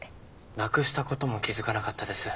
なくしたことも気付かなかったです。